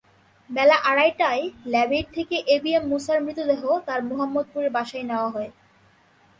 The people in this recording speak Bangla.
বেলা আড়াইটায় ল্যাবএইড থেকে এবিএম মূসার মৃতদেহ তাঁর মোহাম্মদপুরের বাসায় নেওয়া হয়।